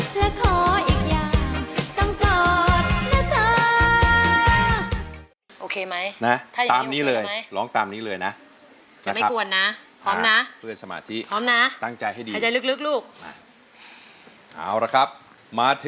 และขออีกอย่างต้องสอดหน้าตา